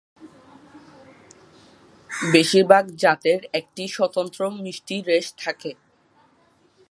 বেশিরভাগ জাতের একটি স্বতন্ত্র মিষ্টি রেশ থাকে।